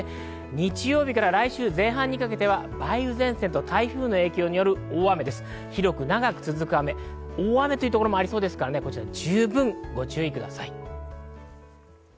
日曜日からは来週前半にかけて梅雨前線と台風の影響による大雨、広く長く続く雨、大雨というところもありますから十分にご注意ください。